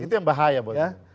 itu yang bahaya buat